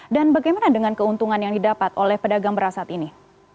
dan bagaimana dengan keuntungan yang didapat oleh pedagang beras saat ini